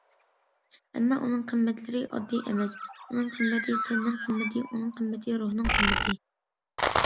ئەمما ئۇنىڭ قىممەتلىرى ئاددىي ئەمەس، ئۇنىڭ قىممىتى تەننىڭ قىممىتى، ئۇنىڭ قىممىتى روھنىڭ قىممىتى.